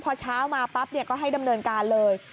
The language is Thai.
พอเช้ามาปั๊บก็ให้ดำเนินการเลย